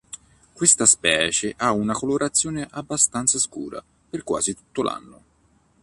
Questa specie ha una colorazione abbastanza scura per quasi tutto l'anno.